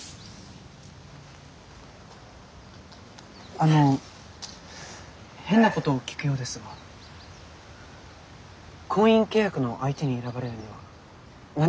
あの変なことを聞くようですが婚姻契約の相手に選ばれるには何が重要でしょうか？